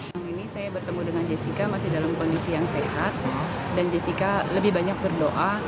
yang ini saya bertemu dengan jessica masih dalam kondisi yang sehat dan jessica lebih banyak berdoa